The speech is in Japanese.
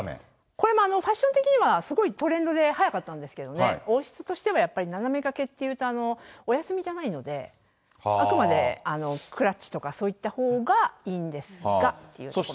これもファッション的にはすごいトレンドで、早かったんですけどね、王室としてはやっぱり斜め掛けっていうと、お休みじゃないので、あくまでクラッチとか、そういったほうがいいんですがというところですね。